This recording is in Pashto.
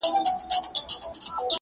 o الله پاک، دربارئې پاک